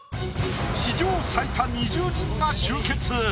史上最多２０人が集結。